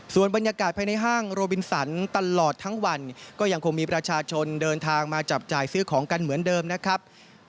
ส่วนบรรยากาศภายในห้างโรบินสันตลอดทั้งวันก็ยังคงมีประชาชนเดินทางมาจับจ่ายซื้อของกันเหมือนเดิมนะครับ